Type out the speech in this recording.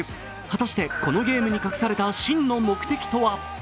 果たしてこのゲームに隠された真の目的とは？